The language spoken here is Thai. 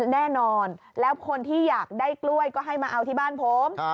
แน่นอนแล้วคนที่อยากได้กล้วยก็ให้มาเอาที่บ้านผม